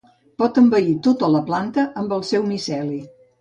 Pot envair tota la planta amb el seu miceli.